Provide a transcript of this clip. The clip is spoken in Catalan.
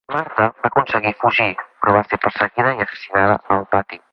Marta va aconseguir fugir, però va ser perseguida i assassinada al pati.